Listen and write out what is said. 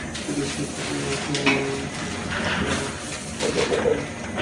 তারপর স্টিভ স্মিথকে নিয়ে ইনিংস মেরামত করতে নামেন অন্য ওপেনার ডেভিড ওয়ার্নার।